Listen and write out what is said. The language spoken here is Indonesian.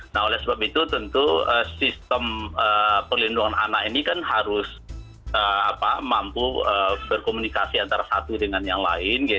nah oleh sebab itu tentu sistem perlindungan anak ini kan harus mampu berkomunikasi antara satu dengan yang lain